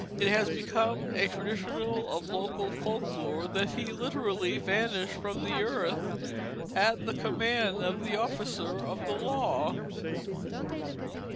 It has become a tradition of local folk lore that he literally vanished from the earth at the command of the officer of the law.